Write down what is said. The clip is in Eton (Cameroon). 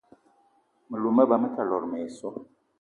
Me lou me ba me ta lot mayi so.